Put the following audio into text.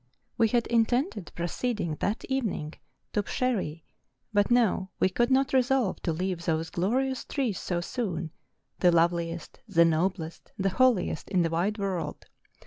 We had intended proceeding that evening to Psherre, but no, we could not resolve to leave those glorious trees so soon, the loveliest, the noblest, the holiest, in the wide world.